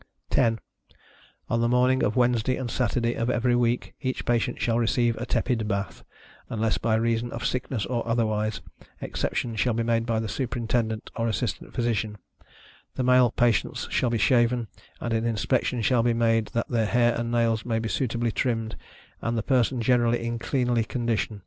10. On the morning of Wednesday and Saturday of every week, each patient shall receive a tepid bath, unless by reason of sickness or otherwise, exceptions shall be made by the Superintendent, or Assistant Physician; the male patients shall be shaven, and an inspection shall be made that their hair and nails may be suitably trimmed, and the person generally in cleanly condition.